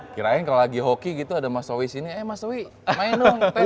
kirain kalau lagi hoki gitu ada mas zowie sini eh mas zowie main dong tes ya